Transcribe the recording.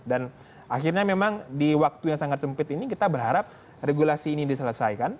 akhirnya memang di waktu yang sangat sempit ini kita berharap regulasi ini diselesaikan